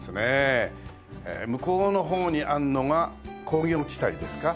向こうの方にあるのが工業地帯ですか？